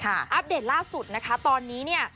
อัปเดตล่าสุดนะคะตอนนี้เนี่ย